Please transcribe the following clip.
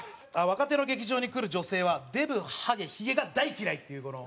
若手の劇場に来る女性はデブハゲヒゲが大嫌いっていうこの。